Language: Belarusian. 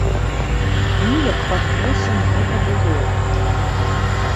Неяк пад восень гэта было.